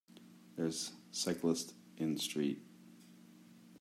There 's cyclist in street.